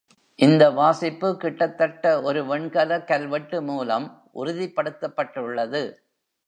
இந்த வாசிப்பு கிட்டத்தட்ட ஒரு வெண்கல கல்வெட்டு மூலம் உறுதிப்படுத்தப்பட்டுள்ளது.